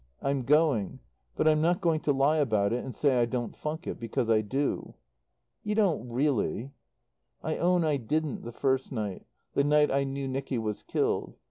"I'm going. But I'm not going to lie about it and say I don't funk it. Because I do." "You don't really." "I own I didn't the first night the night I knew Nicky was killed.